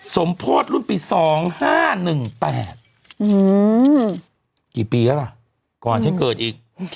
สมโพธิรุ่นปี๒๕๑๘กี่ปีแล้วล่ะก่อนฉันเกิดอีก